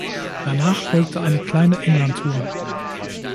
Danach folgte eine kleine Englandtour.